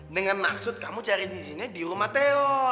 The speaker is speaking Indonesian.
dengan maksud kamu cari cincinnya di rumah teo